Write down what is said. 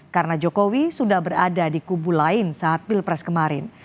karena jokowi sudah berada di kubu lain saat pilpres kemarin